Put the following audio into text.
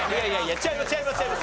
違います。